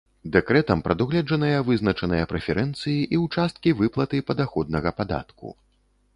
Дэкрэтам прадугледжаныя вызначаныя прэферэнцыі і ў часткі выплаты падаходнага падатку.